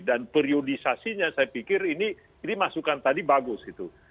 dan periodisasinya saya pikir ini ini masukan tadi bagus itu